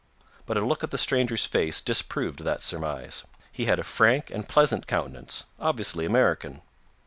But a look at the stranger's face disproved that surmise. He had a frank and pleasant countenance, obviously American.